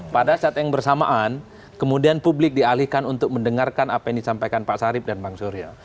pada saat yang bersamaan kemudian publik dialihkan untuk mendengarkan apa yang disampaikan pak sarip dan bang surya